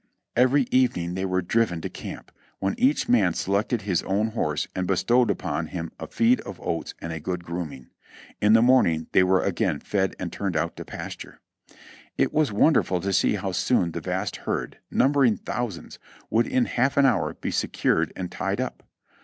Every evening they were driven to camp, when each man se lected his own horse and bestowed upon him a feed of oats and a good grooming ; in the morning they were again fed and turned out to pasture. It was wonderful to see how soon the vast herd, numbering thousands, would in half an hour be secured and tied up.